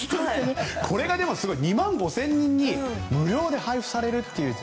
これが２万５０００人に無料で配布されたと。